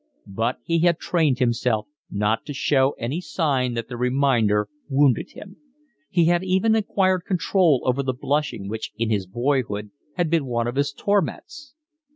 But he had trained himself not to show any sign that the reminder wounded him. He had even acquired control over the blushing which in his boyhood had been one of his torments.